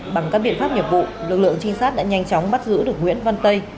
bằng các biện pháp nghiệp vụ lực lượng trinh sát đã nhanh chóng bắt giữ được nguyễn văn tây